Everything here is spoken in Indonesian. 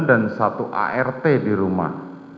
dan satu art di rumah